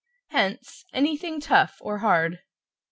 Hence, anything tough, or hard.